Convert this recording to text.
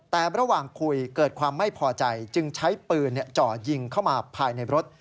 แต่ระหว่างคุยเกิดความไม่พอใจจึงใช้ปืนจ่อยิงเข้ามาภายในรถ